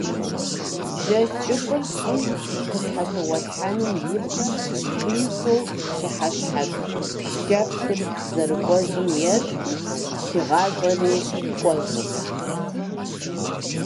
Жэщ кӀыфӀыр щӀым къыщхьэщыгъуэлъхьэным и пэ къихуэу пщыхьэщхьэ пшэплъыр зэрыкӀуэщӀым ещхьу, си гъащӀэри кӀуэщӀырт.